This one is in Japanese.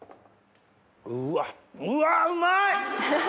うわうわうまい！